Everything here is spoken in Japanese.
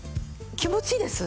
気持ちいいです。